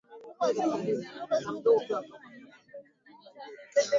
Nikivikwa haki yake.